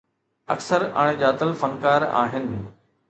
اڪثر اڻڄاتل فنڪار آهن.